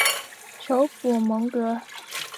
首府蒙戈。